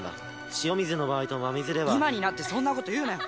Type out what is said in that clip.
塩水の場合と真水では今になってそんなこと言うなよ！